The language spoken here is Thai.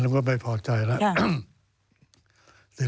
อันนั้นก็ไม่พอใจแล้ว